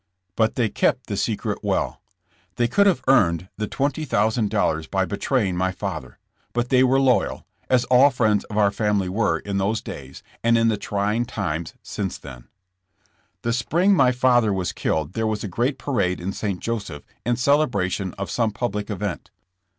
But they kept the secret well. They could have earned the $20,000 by be traying my father, but they were loyal, as all friends of our family were in those days and in the trying times since then. The spring my father was killed there was a great parade in St. Joseph in celebration of some public event.